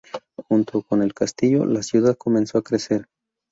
Junto con el castillo, la ciudad comenzó a crecer.